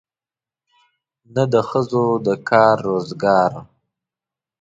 نه د ښځو د کار روزګار.